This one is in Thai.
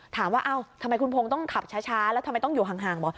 ถามว่าเอ้าทำไมคุณพงศ์ต้องขับช้าแล้วทำไมต้องอยู่ห่างบอก